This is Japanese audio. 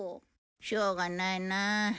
しょうがないな。